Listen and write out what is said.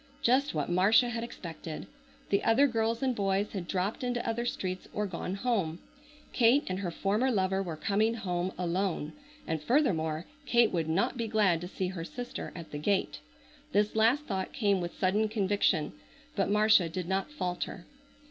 Just what Marcia had expected. The other girls and boys had dropped into other streets or gone home. Kate and her former lover were coming home alone. And, furthermore, Kate would not be glad to see her sister at the gate. This last thought came with sudden conviction, but Marcia did not falter.